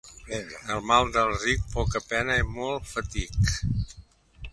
El mal de ric, poca pena i molt fatic.